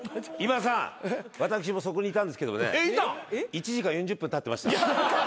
１時間４０分立ってました。